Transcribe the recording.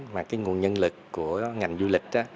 và nguồn nhân lực của ngành du lịch